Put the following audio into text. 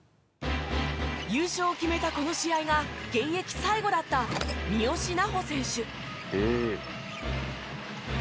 優勝を決めたこの試合が現役最後だった三好南穂選手。